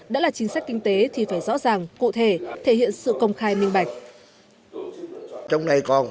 đã là chính sách kinh tế thì phải rõ ràng cụ thể thể hiện sự công khai minh bạch